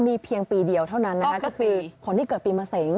มีเพียงปีเดียวเท่านั้นก็คือคนที่เกิดปีมสหงษ์